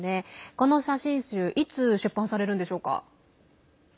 この写真集いつ出版されるんでしょうか？